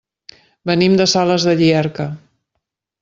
Venim de Sales de Llierca.